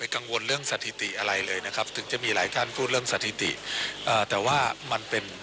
กรรมการก่อน